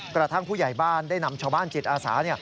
กระทั่งผู้ใหญ่บ้านได้นำชาวบ้านจิตอาสา